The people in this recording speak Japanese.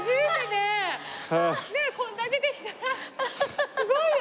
こんだけできたらすごいよね。